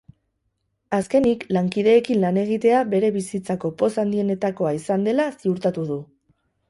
Azkenik, lankideekin lan egitea bere bizitzako poz handienetakoa izan dela ziurtatu du.